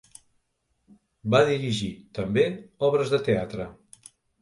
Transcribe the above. Va dirigir també obres de teatre.